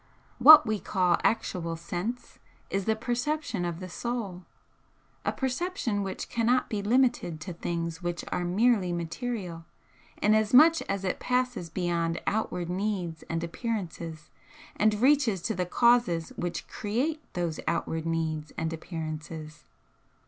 What we call actual 'Sense' is the perception of the Soul, a perception which cannot be limited to things which are merely material, inasmuch as it passes beyond outward needs and appearances and reaches to the causes which create those outward needs and appearances.